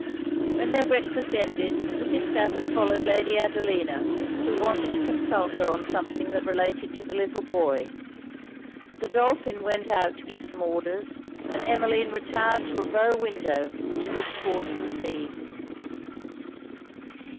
When their breakfast ended, Mrs. Stafford followed Lady Adelina, who wanted to consult her on something that related to the little boy; Godolphin went out to give some orders; and Emmeline retired to a bow window which looked towards the sea.